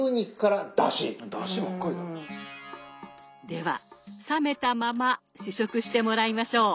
では冷めたまま試食してもらいましょう。